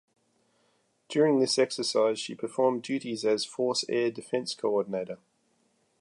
During this exercise, she performed duties as Force Air Defense Coordinator.